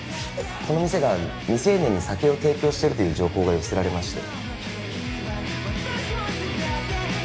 この店が未成年に酒を提供しているという情報が寄せられまして。